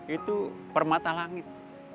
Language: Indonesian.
itu permata langit